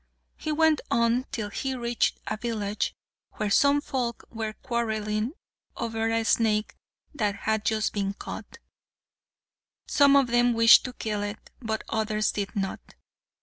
He went on till he reached a village, where some folk were quarrelling over a snake that had just been caught. Some of them wished to kill it, but others did not.